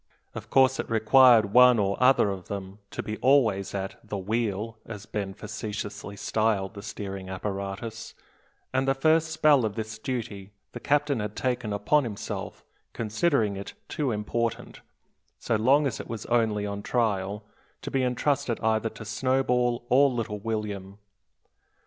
Of course it required one or other of them to be always at the "wheel," as Ben facetiously styled the steering apparatus, and the first spell of this duty the captain had taken upon himself, considering it too important, so long as it was only on trial, to be intrusted either to Snowball or little William.